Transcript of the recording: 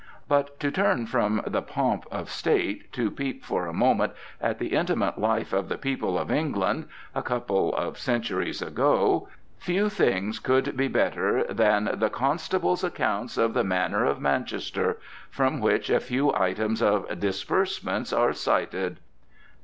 But to turn from the pomp of state, to peep for a moment at the intimate life of the people of England a couple of centuries ago, few things could be better than "The Constable's Accounts of the Manor of Manchester," from which a few items of "Disbursements" are cited; "Pd.